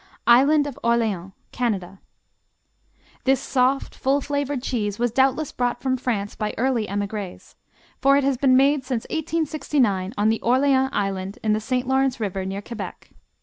Island of Orléans Canada This soft, full flavored cheese was doubtless brought from France by early emigrés, for it has been made since 1869 on the Orléans Island in the St. Lawrence River near Quebec.